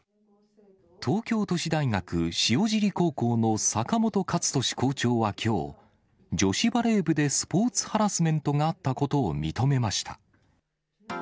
東京都市大学塩尻高校の阪本勝利校長はきょう、女子バレー部でスポーツハラスメントがあったことを認めました。